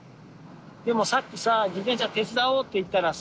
でもさっきさ自転車手伝おうって言ったらさ。